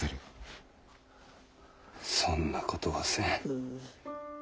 そんなことはせん。